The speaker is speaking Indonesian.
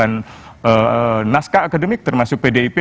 saya lihat beberapa partai sudah menyiapkan naskah akademik termasuk pdip